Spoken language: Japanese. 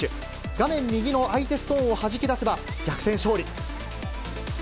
画面右の相手ストーンをはじき出せば逆転勝利。